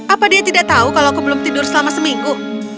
apa dia tidak tahu kalau aku belum tidur selama seminggu